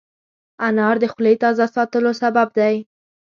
انار د خولې تازه ساتلو سبب دی.